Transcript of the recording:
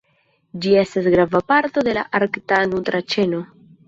Ĝi estas grava parto de la arkta nutra ĉeno.